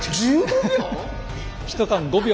１缶５秒。